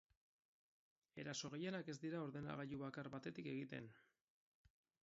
Eraso gehienak ez dira ordenagailu bakar batetik egiten.